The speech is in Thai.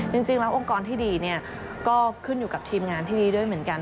จริงแล้วองค์กรที่ดีเนี่ยก็ขึ้นอยู่กับทีมงานที่ดีด้วยเหมือนกัน